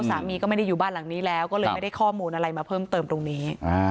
สามีก็ไม่ได้อยู่บ้านหลังนี้แล้วก็เลยไม่ได้ข้อมูลอะไรมาเพิ่มเติมตรงนี้